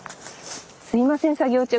すいません作業中。